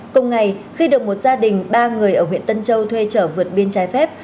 cùng ngày khi được một gia đình ba người ở huyện tân châu thuê trở vượt biên trái phép